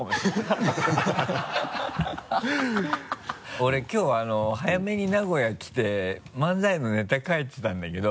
俺きょう早めに名古屋来て漫才のネタ書いてたんだけど。